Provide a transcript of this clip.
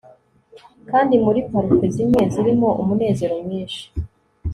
kandi muri parufe zimwe zirimo umunezero mwinshi